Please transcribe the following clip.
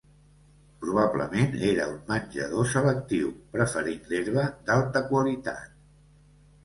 Probablement era un menjador selectiu, preferint l'herba d'alta qualitat.